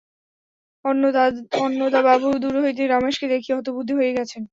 অন্নদাবাবু দূর হইতেই রমেশকে দেখিয়া হতবুদ্ধি হইয়া গেছেন।